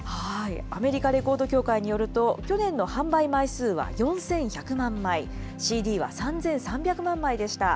アメリカレコード協会によると、去年の販売枚数は４１００万枚、ＣＤは３３００万枚でした。